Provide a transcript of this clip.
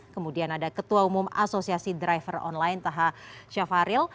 kemudian ada ketua umum asosiasi driver online taha syafaril